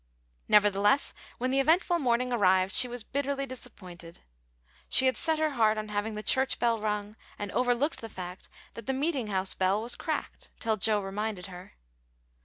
Nevertheless, when the eventful morning arrived she was bitterly disappointed. She had set her heart on having the church bell rung, and overlooked the fact that the meeting house bell was cracked, till Joe reminded her.